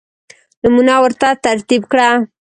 نمونه ورته ترتیب کړه.